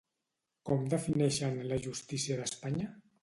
Com defineixen la justícia d'Espanya?